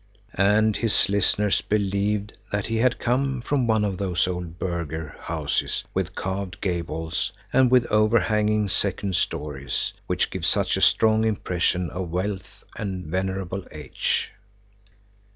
And his listeners believed that he had come from one of those old burgher houses with carved gables and with overhanging second stories, which give such a strong impression of wealth and venerable age.